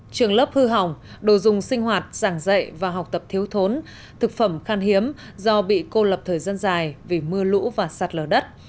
trường lớp hư hỏng đồ dùng sinh hoạt giảng dạy và học tập thiếu thốn thực phẩm khan hiếm do bị cô lập thời gian dài vì mưa lũ và sạt lở đất